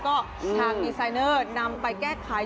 ก็ทางดีไซเนอร์นำไปแก้ไข